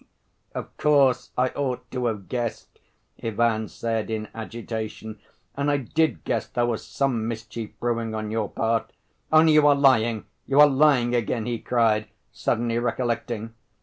"Of course, I ought to have guessed," Ivan said in agitation; "and I did guess there was some mischief brewing on your part ... only you are lying, you are lying again," he cried, suddenly recollecting.